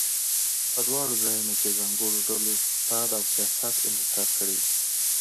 په دواړو ځایونو کې ځانګړو ډلو اقتصاد او سیاست انحصار کړی و.